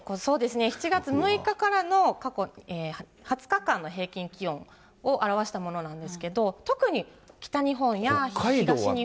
７月６日からの過去２０日間の平均気温を表したものなんですけど、特に北日本や東日本。